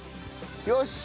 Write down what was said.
よし！